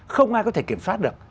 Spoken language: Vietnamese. không ai có thể kiểm soát được